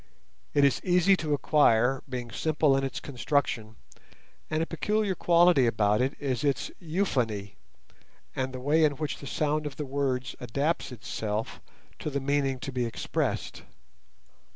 It is easy to acquire, being simple in its construction, and a peculiar quality about it is its euphony, and the way in which the sound of the words adapts itself to the meaning to be expressed.